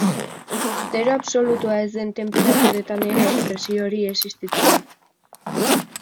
Zero absolutua ez den tenperaturetan ere, presio hori existitzen da.